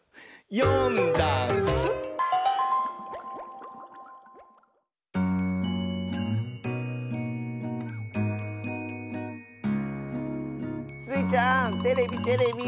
「よんだんす」スイちゃんテレビテレビ！